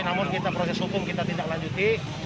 namun kita proses hukum kita tindak lanjuti